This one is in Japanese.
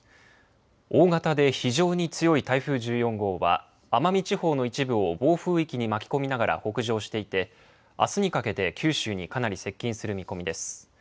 大型で非常に強い台風１４号は奄美地方の一部を暴風域に巻き込みながら北上していてあすにかけて九州にかなり接近する見込みです。